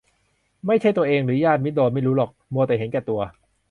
ไม่ใช่ตัวเองหรือญาติมิตรโดนไม่รู้หรอก มัวแต่เห็นแก่ตัว